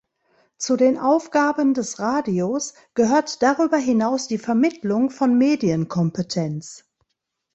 Zu den Aufgaben des Radios gehört darüber hinaus die Vermittlung von Medienkompetenz.